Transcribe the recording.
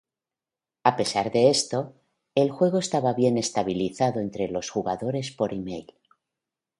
A pesar de esto, el juego estaba bien estabilizado entre los jugadores por email.